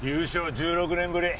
１６年ぶり